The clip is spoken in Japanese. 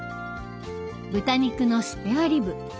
豚肉のスペアリブ。